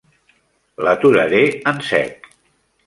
L'aturaré en sec.